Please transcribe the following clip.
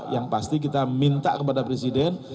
yang pasti kita minta kepada presiden